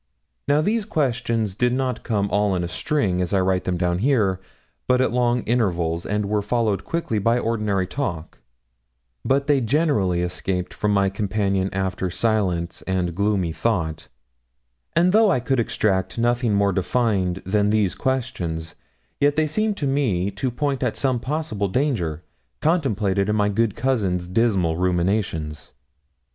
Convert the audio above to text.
Now, these questions did not come all in a string, as I write them down here, but at long intervals, and were followed quickly by ordinary talk; but they generally escaped from my companion after silence and gloomy thought; and though I could extract nothing more defined than these questions, yet they seemed to me to point at some possible danger contemplated in my good cousin's dismal ruminations.